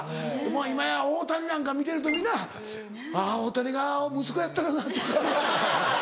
今や大谷なんか見てると皆「大谷が息子やったらな」とか。